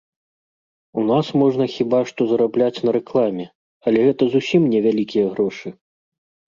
У нас можна хіба што зарабляць на рэкламе, але гэта зусім не вялікія грошы.